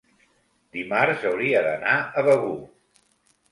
dimarts hauria d'anar a Begur.